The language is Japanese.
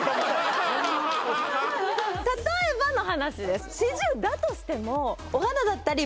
例えばの話です